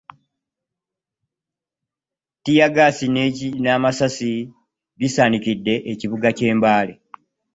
Ttiiyaggaasi n'amasasi bisaanikidde ekibuga ky'e Mbale.